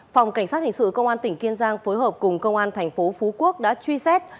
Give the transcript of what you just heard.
phòng cảnh sát hình sự công an tỉnh kiên giang phối hợp cùng công an thành phố phú quốc đã truy xét